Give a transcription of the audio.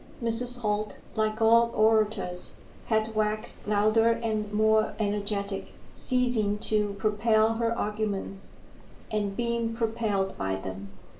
Mrs. Holt, like all orators, had waxed louder and more energetic, ceasing to propel her arguments, and being propelled by them.